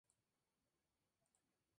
Es la sede de los obispos de Avellino.